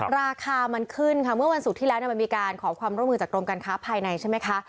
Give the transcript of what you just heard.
ราคามันขึ้นค่ะเมื่อวันศุกร์ที่แล้วมันมีการขอความร่วมมือจากกรมการค้าภายในใช่ไหมคะ